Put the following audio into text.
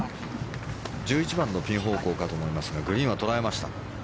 １１番のピン方向かと思いますがグリーンは捉えました。